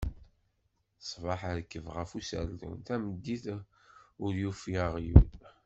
Ṣṣbeḥ irkeb ɣef userdun, tameddit ur yufi aɣyul.